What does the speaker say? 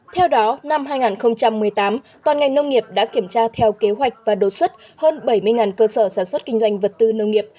theo đó năm hai nghìn một mươi tám toàn ngành nông nghiệp đã kiểm tra theo kế hoạch và đột xuất hơn bảy mươi cơ sở sản xuất kinh doanh vật tư nông nghiệp